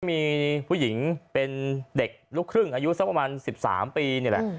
มีผู้หญิงเป็นเด็กลูกครึ่งอายุสักประมาณ๑๓ปีนี่แหละ